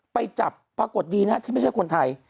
ไปจับปรากฏดีนะที่ไม่ใช่คนไทย